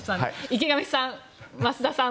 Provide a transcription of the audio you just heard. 池上さん、増田さん